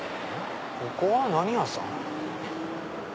ここは何屋さん？